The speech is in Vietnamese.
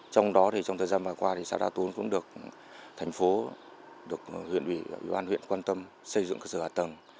trong đó thì trong thời gian vừa qua thì xã đa tốn cũng được thành phố được huyện ủy ủy ban huyện quan tâm xây dựng cơ sở hạ tầng